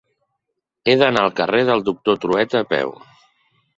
He d'anar al carrer del Doctor Trueta a peu.